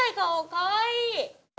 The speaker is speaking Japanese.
かわいい。